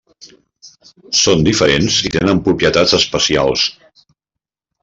Són diferents i tenen propietats especials.